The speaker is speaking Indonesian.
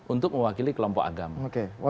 untuk mewakili kelompok agama